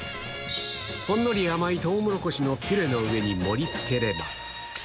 ほんのり甘いとうもろこしのピュレの上に盛りつければ。